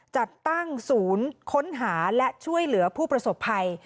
จัดตั้งศูนย์ค้นหาและช่วยเหลือผู้ประสบภัย